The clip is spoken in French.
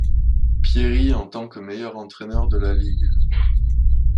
Pieri en tant que meilleur entraîneur de la ligue.